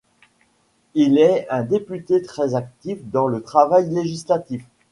Il est un député très actif dans le travail législatif.